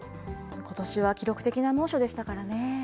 ことしは記録的な猛暑でしたからね。